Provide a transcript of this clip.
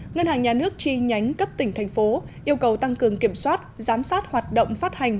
ngân hàng nhà nước chi nhánh cấp tỉnh thành phố yêu cầu tăng cường kiểm soát giám sát hoạt động phát hành